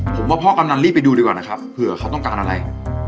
ผมว่าพ่อกำนันรีบไปดูดีกว่านะครับเผื่อเขาต้องการอะไร